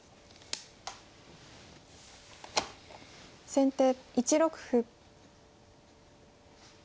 先手１六歩。